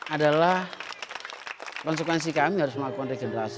adalah konsekuensi kami harus melakukan regenerasi